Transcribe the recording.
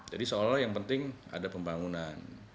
jadi seolah olah yang penting ada pembangunan